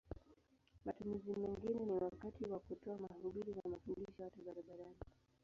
Matumizi mengine ni wakati wa kutoa mahubiri na mafundisho hata barabarani.